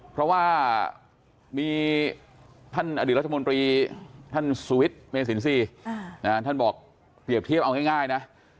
เพราะว่ามีท่านอดีตรัฐมนตรีท่านสุวิทย์เมสินทรีย์ท่านบอกเปรียบเทียบเอาง่ายนะ